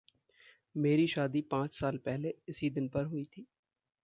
मेरी शादी पाँच साल पहले इसी दिन पर हुई थी।